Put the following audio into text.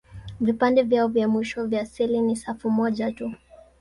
Vipande vyao vya mwisho vya seli ni safu moja tu.